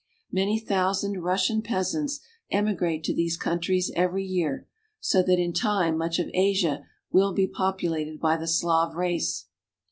Many thousand Russian peasants emigrate to these coun tries every year, so that in time much of Asia will be populated by the Slav race.